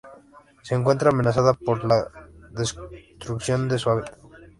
Se encuentra amenazada por la destrucción de su hábitat.